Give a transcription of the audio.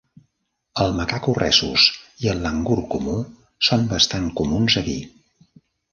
El macaco rhesus i el langur comú són bastant comuns aquí.